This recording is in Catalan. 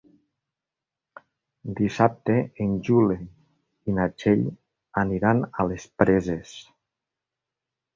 Dissabte en Juli i na Txell aniran a les Preses.